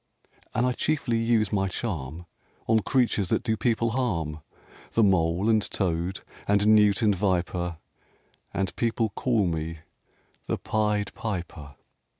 And I chiefly use my charm On creatures that do people harm, The mole and toad and newt and viper; And people call me the Pied Piper."